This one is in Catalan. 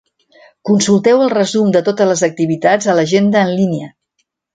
Consulteu el resum de totes les activitats a l'agenda en línia.